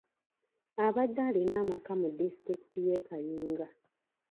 Abadde alina amaka mu disitulikiti y'e Kayunga.